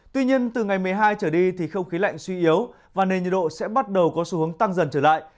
tuy nhiên từ ngày một mươi hai trở đi thì không khí lạnh suy yếu và nền nhiệt độ sẽ bắt đầu có xu hướng tăng dần trở lại